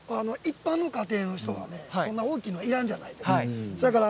一般の家庭の人はそんなに大きいのいらんんじゃないですか。